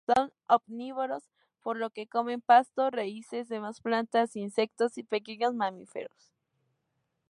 Son omnívoros, por lo que comen pasto, raíces, demás plantas, insectos, y pequeños mamíferos.